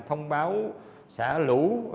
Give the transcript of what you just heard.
thông báo xã lũ